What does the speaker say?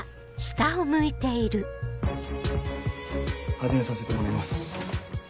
始めさせてもらいます。